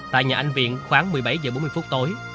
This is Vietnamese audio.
tại nhà anh viện khoảng một mươi bảy h bốn mươi phút tối